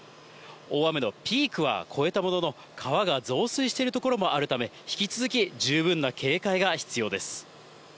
大雨のピークは越えたものの、川が増水している所もあるため、引き続き十分な警戒が必要です。